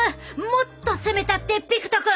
もっと攻めたってピクト君！